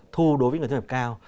thu đối với người thu nhập cao